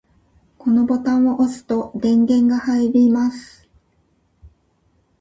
このボタンを押すと電源が入ります。